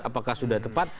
apakah sudah tepat